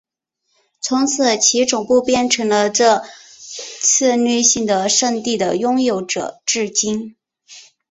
从此其总部变成了这策略性的圣地的拥有者至今。